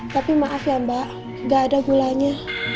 tapi maaf ya mbak gak ada gulanya